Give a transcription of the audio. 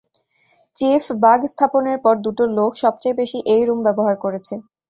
Chief, বাগ স্থাপনের পর দুটো লোক সবচেয়ে বেশি এই রুম ব্যবহার করেছে।